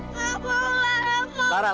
enggak mau lara mau